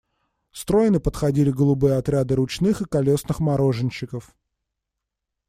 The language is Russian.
Стройно подходили голубые отряды ручных и колесных мороженщиков.